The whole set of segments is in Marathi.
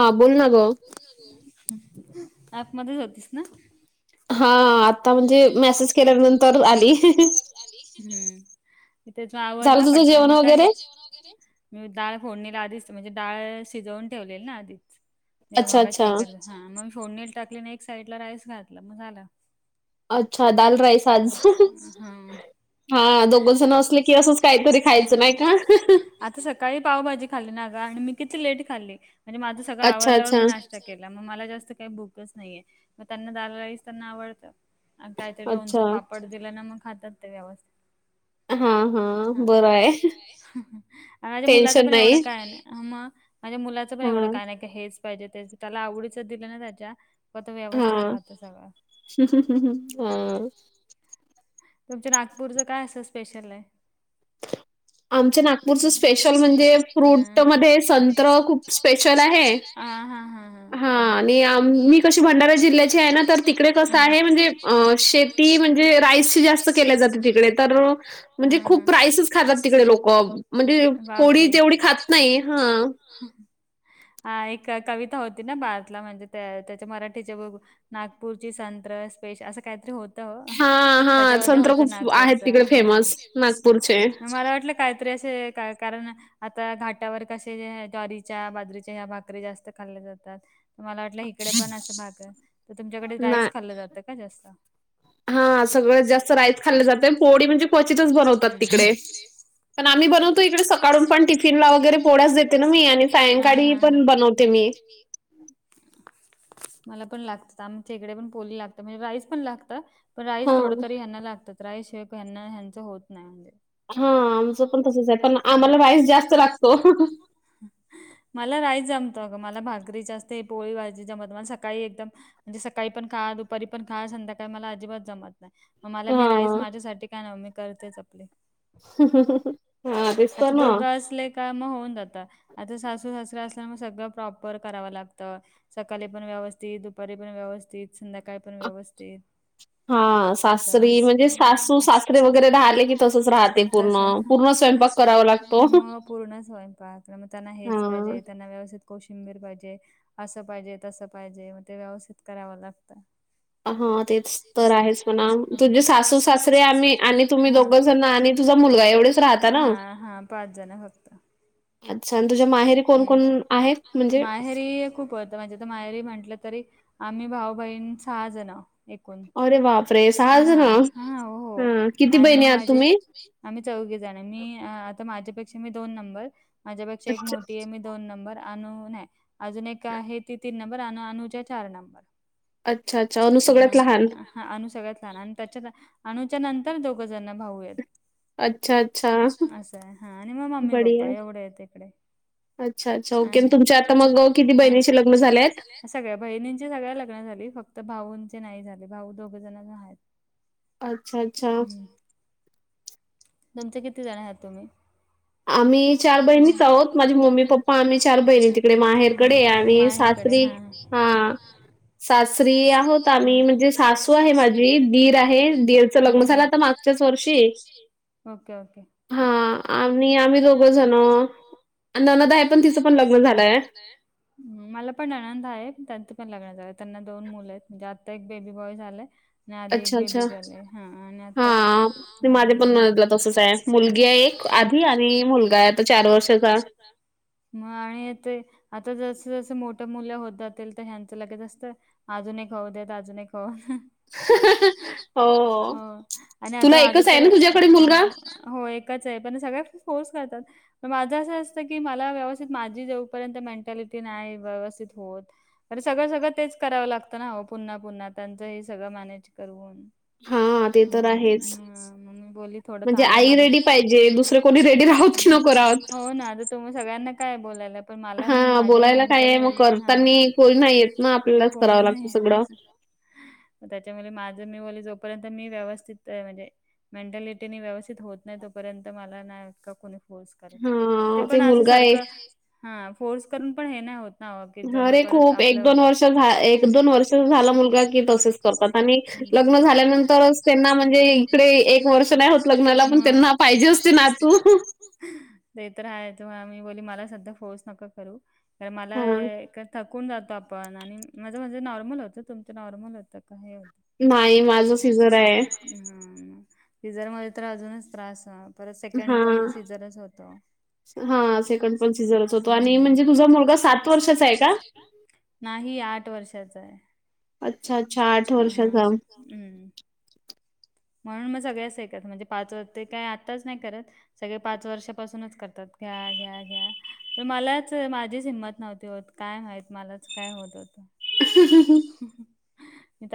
हा बोल ना ग. ॳॅपमध्येच होतीस ना? हा आता म्हणजे, मेसेज केल्यानंतर आली. हम्म, तेच म झालं आवरला तुझं पटकन जेवण मी काय? वगैरे मी डाळ फोडणीला आधीच, म्हणजे डाळ शिजवून ठेवलेल ना आधीच. जवा अच्छा मगाशी अच्छा एकच हा, मग फोडणीला टाकलीन, एक साईड ला राईस घातल. म झालं. अच्छा दाल राईस आज? हा हा दोघं जण असलच की असंच काहीतरी खायचं. नाही का? आता सकाळी पावभाजी खाल्ली ना ग. आणि मी किती लेट खाल्ली. म्हणजे माझं सगळं अच्छा आवल्यावर मी अच्छा नाष्टा नाष्टा केला. मग मला जास्त काही भुकच नाहीये. मग त्यांना डाळ राईस त्यांना आवडत. अ काहीतरी लोणच अच्छा पापड दिला ना, मग खातात ते व्यवस्थित. ह, ह, बरय. माझ्या मुलाचं पण नाही एवढं काय नाय. मग, माझ्या मुलाचं पण एवढं हा काय नाही. हेच पाहिजे तेच त्याला आवडीच दिलं ना त्याच्या फक्त व्यवस्थित तो खातो सगळं ह् ह् ह् हअ तुमच्या नागपूरचं काय असं स्पेशल आहे? आमच्या नागपूरचं स्पेशल म्हणजे फ्रूट मध्ये संत्र खूप स्पेशल आहे. ह हा हा हां हा आणि मी कशी भंडारा जिल्ह्याचे आहे ना तर तिकडे कसं हा आहे म्हणजे अ शेती म्हणजे राईस शेती, जास्त केले जाते तिकडे तर म्हणजे हा हा खूप राईसच खातात. तिकडे लोक म्हणजे पोळी बापरे जेवढी खात नाही हा हा एक कविता होती ना भारतला म्हणजे त्या त्याच्या मराठीचे ब.... नागपूरची संत्र स्पेश असं काहीतरी होतंअ. हां, हां. त्याच्यामध्ये संत्र होत खूप आहेत नागपूरच तिकडे हा फेमस नागपूरचे. मला वाटल. काहीतरी असे कारण आता घाटावर कसे ज्वारीच्या बाजरीच्या ह्या भाकरी या जास्त खाल्ल्या जातात. मला वाटलं इकडे पण असं भाकर आहे तर तुमच्याकडे राईस खाल्लं जातं का जास्त हा सगळं जास्त राईस, खाल्ले जाते पोळी म्हणजे क्वचितच बनवतात हम्म तिकडे पण आम्ही बनवतो इकडे सकाळून पण टिफिनला वगैरे पो्याच देते ना मी आणि सायंकाळी पण बनवते मी ह मला पण लागत आमच्या इकडे पण पोली लागत म्हणजे राईस पण लागत. पण राईस थोड हां. तरी ह्यांना लागतात राईस हे हना ह्यांच होत नाही म्हणजे हा आमचं पण तसंच आहे पण आम्हाला राईस जास्त लागतो. मला राईस जमतं ग मला भाजरी जास्त पोळी भाजी जमत मला सकाळी एकदम म्हणजे सकाळी पण खा दुपारी पण खा संध्याकाळी मला अजिबात जमत नाही मला मी राईस हा. माझ्यासाठी काय नाही मी करतेच आपली हा तेच तर आता ना. दोघं असले. का होऊन जात आता सासू सासर असल्यामुळे, सगळं प्रॉपर करावं लागतं. सकाळी पण व्यवस्थित दुपारी पण व्यवस्थित संध्याकाळी पण व्यवस्थित हा सासरी म्हणजे सासू असं सासरे वगैरे राहले की तसच राहते. तस पूर्ण. पूर्ण स्वयंपाक करावा लागतो. मग पूर्ण स्वयंपाक मग त्यांना हेच हा. पाहिजे त्यांना व्यवस्थित कोशिंबीर पाहिजे असं पाहिजे तसं पाहिजे मग ते व्यवस्थित कराव लागतं. हा तेच तर काय असत ना तुझे सासू सासरे आम्ही आणि तुम्ही दोघ जण आणि तुझा मुलगा एवढेच राहता ना. राहतात. हा पाच जण होतो. अच्छा आणि तुझ्या माहेरी कोण हम्म कोण आहेत म्हणजे? माहेरी खूप आता म्हणजे तर मायरी म्हटलं तरी आम्ही भाऊ बहीण सहा जण एकूण अरे बापरे सहा हा जण हा हो हा किती आणि बहिणी मग आहात माझे तुम्ही? आम्ही चौघ जण मी आता माझ्यापेक्षा मी दोन नंबर माझ्यापेक्षा एक अच्छा मोठी आहे मी दोन नंबर अनू आहे अजून एक आहे ती तीन नंबर अनू अनूच्या चार नंबर अच्छा अच्छा अनु सगळ्यात लहान ह अनु सगळ्यात लहान आणि त्याच्यात अनुच्या नंतर दोघ जण भाऊ आहेत. अच्छा अच्छ अच्छा. अच्छ असं आहे हा आणि मग मम्मी बढिया पप्पा आहे. एवढे आहेत. इकडे अच्छा अच्छा ओके आणि तुमच्या आता मग किती बहिणीचे लग्न झाले आहेत? सगळ्या बहिणींची सगळ्या लग्न झाली फक्त भाऊंचे नाही झाले भाऊ दोघ जण आहेत. अच्छा, अच्छा. हम् तुमचे किती जण आहात तुम्ही आम्ही चार चार बहिणीच आहोत माझी मम्मी पप्पा आणि चार बहिणी तिकडे माहेरकडे आणि सासरी हां. हा. सासरी आहोत आम्ही म्हणजे सासू आहे माझी दीर आहे. मीर दीरचं लग्न झालं आहे. आता मागच्याच वर्षी. व ओके ओके. हां. आणि आम्ही दोघं जण ननदाय पण तिचं पण लग्न झालंय. मला पण ननद आहे त्यात पण लग्नचा त्यांना दोन मुलं आहेत म्हणजे डआता एक बेबी बॉय झालंय. नाही आधी एक अच्छा, बे बी अच्छा. गलय हा आणि आता हां. माझ्या पण नणदला तसंच आहे. आहे मुलगी. एक आणि मुलगा आहे आता चार वर्षाचा मग आणि ते आता जसं जसं मोठ मुलं होत जातील तर ह्यांचं लगे जास्त. अजूनही कहू द्याेत अजूनही कत हो आणि आता तुला माझ एकच आहे तर ना तुझ्याकडे मुलगा? हो एक. पण सगळ फोर्स करतात. माझं असं असतं की मला व्यवस्थित माझी जेवपर्यंत मेंटॅलिटी नाही व्यवस्थित होत अरे सगळं सगळं तेच करावं लागतं ना हो पुन्हा पुन्हा त्यांचं हे सगळं मॅनेज करून. हां, ते तर हम्म आहेच. हम मग मी बोलली थोडं म्हणजे थांबा आई मला. रेडी पाहिजे. दुसरे कोणी रेडी राहोत की नको राहोत. हो ना तुम सगळ्यांना काय बोलायला पण मला मी माझ्या मेंटल हेल्थ. त्यांनी कोोल नाही येत ना आपल्यालाच कोणी करावं लागतं नाही सगळं. त्याच्यामुळे माझ मी जोपर्यंत मी व्यवस्थित म्हणजे. मेंटॅलिटी व्यवस्थित होत नाही तोपर्यंत मला नाही का कोणी फोर्स. ते हां, पण अस मुलगा सार आहे. हा फोर्स करून पण हे. ना अग ज मग अरे परत खूप आपल्यावर द वर्ष दोन वर्ष झा तात लग् झाल्यानंतर त्यांना म्हणजे इडे एक वर्ष नाही होत लग्नाला हम्म पण त्यां पाहिजे असते ना तू. मग ते तर आहे ते आ मी बोली मला सध्या फोळस नको करू कारण मला हां. एक थकून जातो आपण आणि माझं म्हणजे नॉर्मल होतं तुमचं नॉर्मल होतं का हे होतं. नाही माझं सिझर आहे. माझर आहे सीझर मध्ये तर अजूनच त्रास परत सेकंड पण म हा सेकंड पण सिझर होतो आणि म्हणजे तुझा मुलगा सात वर्षाचा आहे का. नाही आठ वर्षाच आहे. अच्छा्ा. ् हा हा हम्म. म्हणून मग सगळ्याच ऐकत म्हणजे पाच वाजते काय आताच नाही करत. सगळे पाच वर्षापासूनच करतात घ्या घ्या घ्या. मलाच माझीच हिंमत नव्हती होत काय माहित मलाच काय होत होत. अच् अ हा.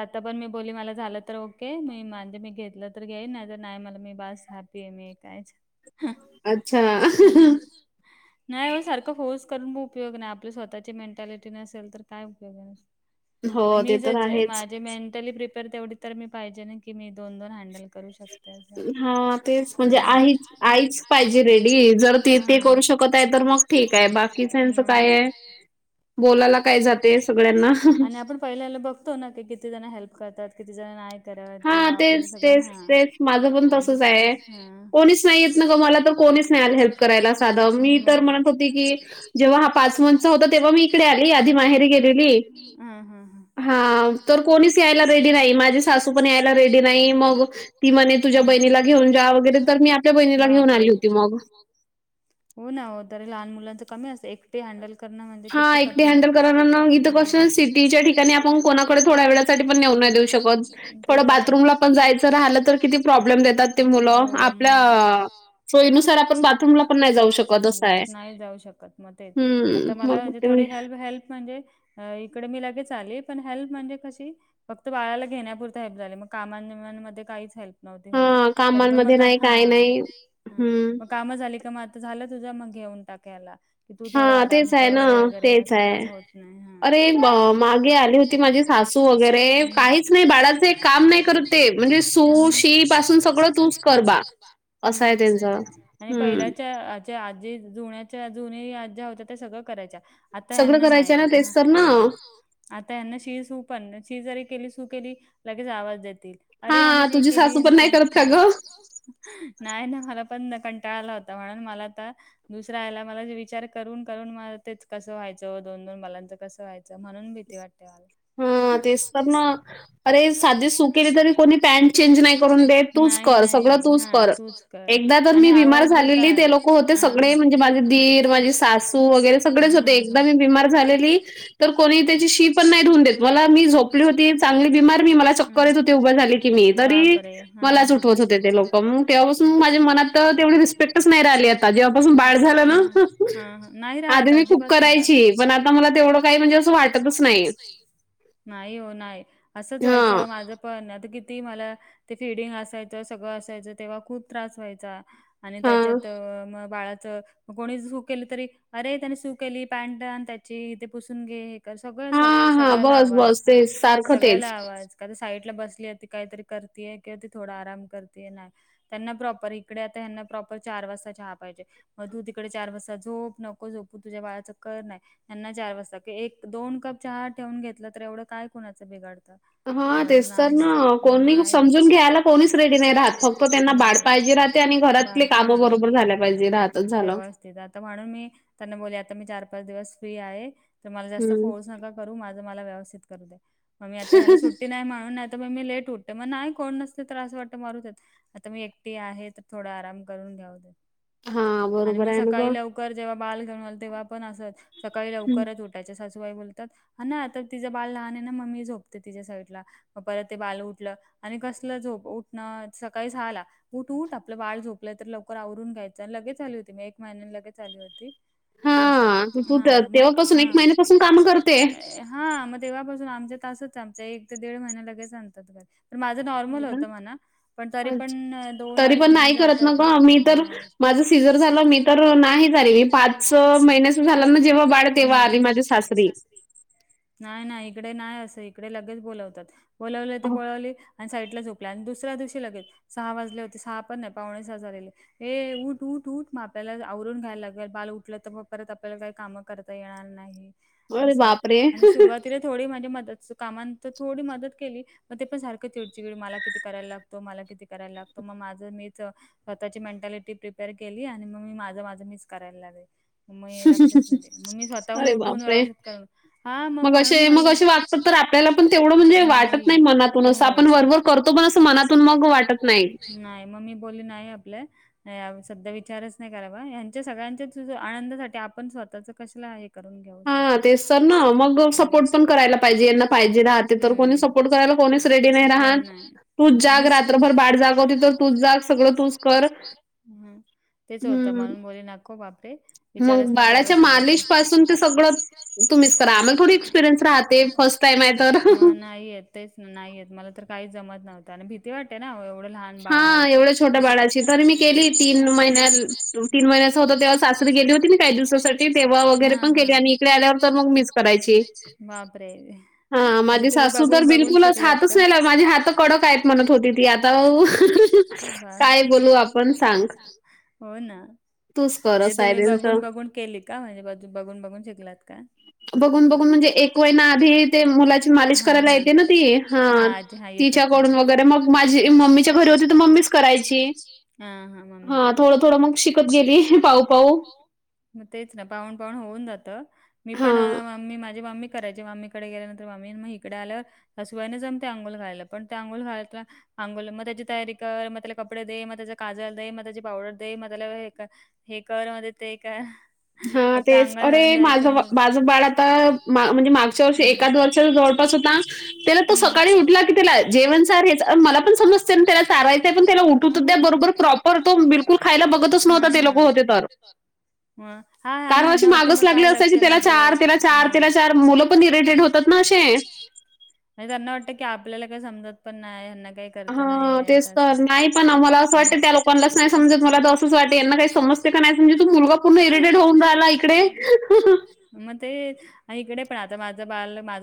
आता पण मी बोली मला झालं तर ओके मी म्हणजे मी. घेतलं तर घ्याईन नाही तर नाही मला मी बस हॅप्पी आहे मी काहीच. हा. अच्छा नाही हो सारखं फोर्स करून पण उपयोग नाही आपली स्वतःची मेंटॅलिटी नसेल तर काय उपयोग आहे. ब हो ते मी तर जर आहेच माझे मेंटली प्रिपेर तेवढी तर मी पाहिजे ना की मी दोन दोन हँडल. करू शकते असं हा तेच हम्म. म्हणजेच पाहिजे रेडी जर ते ते करू हा. शक कत आहे तर मग ठीक आहे बाकीच त्यांचं काय. काय बोलायला का जाते सगळ्यांना जाते आणि आपण पहिल्याला बघतो ना की किती जण हेल्प करतात किती जण नाही. करत हा किंवा आपल्याला तेच सगळं तेच तेच माझं पण हा तसच आणि आहे हा कोणीच नाही येत ना का मला तर कोणी. हेल्प करायला साध मी तर हम्म म्हणत होती की जेव्हा हा पाच मन्थ चा होता तेव्हा मी इकडे आली ती माहेरी गेलेली, हम्म हम्म हा तर कोणीच यायला रेडी नाही. माझी सासू पण यायला रेडी नाही मग ती म्हणे तुझ्या हम्म बहिणीला घेऊन जा वगैरे तर मी आपल्या बहिणीला घेऊन आली बापरे होती ती मग हो ना वो तरी लहान मुलांच कमी असत एकटी हँडल करणं म्हणजे हां, किती एकटी कठीण हँडल आहे कराला नं इथ हम्म कसं सिटीच्या ठिकाणी आपण कोणाकडे थोड्या वेळासाठी पण नवू नाय देऊ शकत ते थोडं तर बाथरूमला आहेच पण जायचं राहिलं तर किती प्रॉब्लेम देतात ती मुलं आपल्या सोयीनुसार आपण बाथरूमला पण नाही जाऊ शकत, तेच नाही जाऊ शकत मं ते हं, आता मला मग म्हणजे ते थोडी हेल्प हेल्प म्हणजे इकडे मी लगेच आली पण हेल्प म्हणजे कशी फक्त बाळाला घेण्यापुरता हेल्प झाले मग कामनबिमानमध्ये काहीच हेल्प नव्हती होत. हां, [unintelligible] तरी पण कामांमध्ये मग हा नाही, काही नाही. हा हं. मग काम झाली का मग आ झालं तुझा मग घेऊन टाक याला की तू थोडा हां, आराम तेच आहे ना. कर वगैरे तेच असं आहे काय होत नाही हा अरे मागे आली होती माझी सासू हम्म, वगैरे काहीच नाही बाळाचं काम नाही करत ते म्हणजे सू हम्म, शी पासून सगळं तूच कर बा म असं आहे असय त्यांचं. त्यांच आणि पहिल्या हं. चा ज्या आजी जुन्याच्या जुन्या आज्या होत्या त्या सगळं करायच्या आता सगळं ह्यांना करायचे नाय. ना तेच तर ना. [unintelligible] आता ह्यांना शी सू पण शी जरी केली सू केली, लगेच आवाज देतील. अरे ह्याने हां, शी तुझी केली सासू आणि पण नाही करत केली का गं? [unintelligible] [inaudible] नाही ना, मला पण कंटाळाला होता म्हणून मला आता दुसरा ह्याला, मला विचार करून करून मला तेच कसं व्हायचं? दोन दोन बालांचं कसं व्हायचं? [inaudible] म्हणून भीती वाटते मला हा तेच तर ना, अरे साधी सुू केली तरी कोणी पॅन्ट चेंज नाही करून देत तूच नाही कर सगळं नाही तूच हां कर तूच कर आणि एकदा तर एकट्या मी बीमार आवाज देतात झालेली ते लोक होते. सग हां सगळे हां. म्हणजे माझ दीर माझीक सासू वगैरे सगळेच हं, होते हं, एक हं. बमार झाली तर कोणी त्याची शी पण नाही धून देत मला मी झोपली होती चांगली बीमार मी मला चक्कर येत होती उभा झाली की मी तरी बापरे हा मलाच हा उठवत होते. ते लोक मग तेव्हापासून माझ्या मनात तर तेवढी रिस्पेक्ट नाही राहीली आता जेव्हापासून बाळ झाल ना हा नाही [unintelligible] राहत खूप करायची पण आता मला तेवढं काय म्हणजे असं वाटतच नाही. [unintelligible] नाही वो नाही असंच हां. व्हायचं माझ पण आता किती मला ते फिडिंग असायचं सगळं असायचं तेव्हा खूप त्रास व्हायचा आणि हां. त्याच्यात म बाळाच कोणी सु केली तरी अरे त्यान सु केली पॅन्ट आणि त्याची इथे पुसून घे सगळ सर हां, हां. सगळ्याला बस, आवाज बस. हा तेच. सारखं तेच. सगळ्याला आवाज का ते साईड ला बसली होती काहीतरी करतीय कि हो ते थोडं आराम करतीय नाही त्यांना प्रॉपर इकडे आता ह्यांना प्रॉपर चार वाजता चहा पाहिजे मग तू तिकडे चार वाजता झोप नको झोपू तुझ्या बाळाचं कर नाय त्यांना चार वाजता क एक दोन कप चहा ठेवून घेतलं तर एवढं काय कुणाचं बिघाडत? हा तेच तर ना कोणी बाप समजून घ्यायला कोणीच रेडी नाही राहात फक्त त्यांना बा नाही पहिजे राहते आणि बाळ घरातले कामं बरोबर झाल्या पहिजे राहतच झालं तेच आता म्हणून मी त्यांना बोले आता मी चार पाच दिवस फ्री आहे तर मला जास्त हं. फोर्स नका माझ मला व्यवस्थित करू दे मग मी आता ह्याला सु नाही म्हणून नाही तर म मी लेट उठत मग नाही कोण नसते त्रास वाटत मरू दे तिकडं आता मी एकटी आहे तर थोडा आराम करून घेऊ दे हां, आणि बरोबर मग आहे ना सकाळी गं. लवकर जेव्हा बाळ घेऊन आल तेव्हा पण असत सकाळी हं. लवकरच उठ टच्याासूबाई बोलतात हा ना आता तिचं बाल लहान आहे ना मम्मी झोपते तिच्या साईडला मग परत ते बाल उठलं आणि कसलं झो उठणं सकाळी झाला उठ उठ आपलं बाळ झोपलंय तर लवकर आवरून घ्यायचं आणि लगेच आली होती मी एक महिन्या लगेच आली होती तस हां, तू तर हा म तेव्हापासून हा महिन्यापासून कामं करते. हा म तेव्हापासून आमच्या तासच आमच्या एक ते दीड महिने लगेच आणतात घरी पण माझं नॉर्मल हं. होतं म्हणा पण तरी अच्छा. पण दोन अडीच महिने जातात ना नाही माझ सिजर झालं मी तर नाही झा मी पाच महिन्याच झाला ना जेव्हा बाळ तेव्हा आली माझ्या हम्म सासरी नाही नाही इकडे नाही असं इकडे लगेच बोोलवतात बोलावले ते बोवले आणि साईडला झोपल्या आणि दुसऱ्या दिवशी लगेच सहा वाजले होते सहा पण नाही पावणे सहा झालेले हे उठ उऊठ उठ माप्याला आवरून घ्यायला लागत बाल उठलं तर मग परत आपल्याला काही काम करता येणार नाही अरे असं बापरे! आणि सुरवात तिला थोडी म्हणजे मदत कामाां तर थोडी मदत केली मग ते पण सारखं चिडचिड मला किती करायला लागतो मला किती करायला लागतो मग माझं मीच स्वतःची मेंटॅलिटी प्रिपेअर केली आणि मग मी माझं माझं मीच करायला लाग म्मी लक्षच न मम्मी स्वतःहून अरे उठून बापरे! व्याव शेतकारण हा मग म्हणून मला तर तर आपल्याला पण तेवढं म्हणजे वाटत नाही मनातून असं आपण वरवरर करतो पण असं मनातून मग वाटत नाही नाही मग मी बोल नाही आपलं सध्या विचारच नाही करावा सगळ्यांच्या आनंदासाठी आपण स्वतःच कश पण हां, तेच तर ना. मग सपोर्ट पण करायला पाहिजे. कलाे यांना पाहिजे राहते कोणी सपोर्ट करायला कोणीच रेडी नाही राहात आ् जाग रात्रभर बाार जागो तूच जाग सगळं तू कर तेच होतं हं. म्हणून बोलले नको बापरे मग विचारच नाही करावा बाळाच्या सध्या मालिश पासून तर ते सगळं तुम्हीच करा आम्हाला थोडी एक्सपिरियन्स राहते फर्स्ट टाईम आहे तर मग नाही येत तेच नाहीेत मला तर काही जमत नव्हत आणि भी ती वाटते ना एवढं लहान बाल कसं कर त मन म होत तेव्हा सासरी गेली होती काही दिवसासाठी तेव्हा वगैरे हा हा पण केले आणि इकडे आल्यावर तर मग मिस करायची बापरे हां, म्हणजे माझी तुम्ही सासू तर बघून बघून बिलकुलच शिकलात का हातच नाही लावत. माझे हात माझ कडक आहेत हातडक म्हणत होती आहेतत ती. होते आता त आता बा काय बोलू बोल आपण सांग? आपण हो ना तूच कर म्हणजे असं आहे तुम्ही बघून त्यांचं. बघून केली का म्हणजे बघ बघून बघून शिकलात का बघून बघून म्हणजे एक वे ना आधी माश हा करायला हा येते ना हा त आजी हा येतात हा तिच्याकडून वरे म माझ च्या घरी होती त मम्मी करायची हा हा मममी ग थो थोड मग श शिकत गेली पा पा मग तेच ना पाहन पाहण होऊन जात मी पण हां. मम्मी माझी माम्मी करायचे माम्मीकडे गेल्यानंतर माम्मी मग इकडे आल्यावर त्याशिवायनेच आम् ते अंोोल घायला पण त्या अंोलळ घायला अंघोोल मग त्याची तयारी कर मग त्याला कपडे दे मग त्याचा काजल दे मग त्याची पावडर दे म त्याला हे कररामध्ये ते का हा तेच अरे माझं माझं बाळ आता म्हणजे मागच्या वर्ष हम्म एकाद वर्षा जवळपास होता त्याला तो हम्म सकाळी उठला की, त्याला जेवण सारच मला पण समजते ना त्याला चारायचंय, पण त्याला हा उठत मग द्या बरोबर प्रॉपर तो बिलकुल खायला बघतच हा नव्हता, ते लोक हा होते तर. [unintelligible] [inaudible] हा आणि कारण अशी ह्यांना वाटतं मागच मग लागले काय असायची, लक्ष न त्याला चार, देत त्याला चार, हा तेला चार मुलं पण ररेटेड होत. [unintelligible] [inaudible] आणि त्यांना वाटत की, आपल्याला काय समजत पण नाही, हेना काही हा, करता नाही येत तेच असं. तर, नाही पण आम्हाला असं वाटत त्या लोकांनाच नाही, समजत मला वाटे यांना काही समजत का नाही, म्हनजे तू मुलगा पूर्ण इरिटेड होऊन राहिला इकडे मग ते, इकडे पण आता माझं बाल माझ